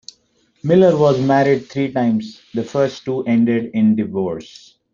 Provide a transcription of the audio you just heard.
Miller was married three times, the first two ended in divorce.